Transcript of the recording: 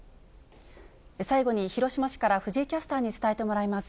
最後に広島市から藤井キャスターに伝えてもらいます。